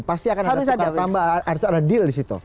pasti akan ada tambahan harus ada deal di situ